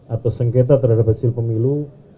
atau sengketa terhadap hasil pemilu